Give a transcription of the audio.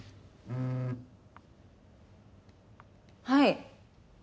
はい。